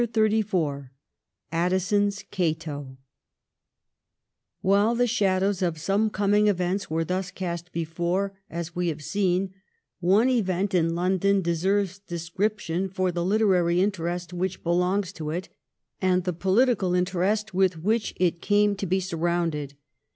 CHAPTEE XXXIV Addison's ' cato ' While the shadows of some coming events were thus cast before, as we have seen, one event in London deserves description for the hterary interest which belongs to it, and the political interest with which it came to be surrounded.